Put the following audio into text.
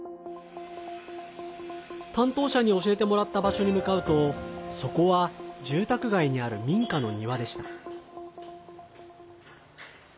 担当者に教えてもらった場所に向かうとそこは住宅街にある民家の庭でした。